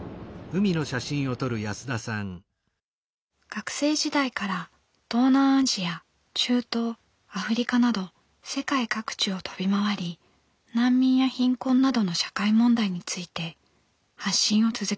学生時代から東南アジア中東アフリカなど世界各地を飛び回り難民や貧困などの社会問題について発信を続けてきました。